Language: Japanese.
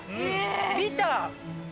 ビター。